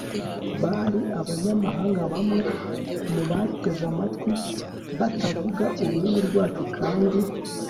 bari abanyamahanga bamwe mubateze amatwi batavuga ururimi rwacu kandi